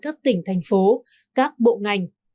các tỉnh thành phố các bộ ngành